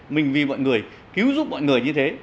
mình vì mọi người cứu giúp mọi người như thế